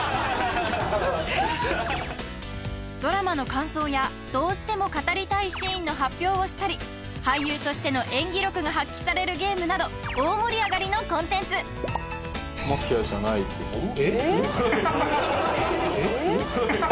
ドラマの感想やどうしても語りたいシーンの発表をしたり俳優としての演技力が発揮されるゲームなど大盛り上がりのコンテンツ・えっ？